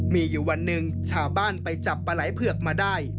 มีอยู่วันหนึ่งชาวบ้านไปจับปลาไหล่เผือกมาได้